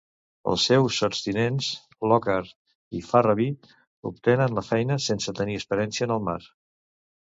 Els seus sotstinents, Lockhart i Ferraby, obtenen la feina sense tenir experiència en el mar.